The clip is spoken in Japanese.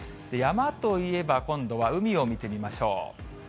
山といえば、今度は海を見てみましょう。